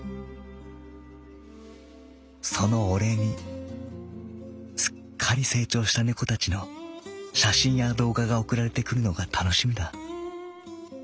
そのお礼にすっかり成長した猫たちの写真や動画が送られてくるのが楽しみだ」。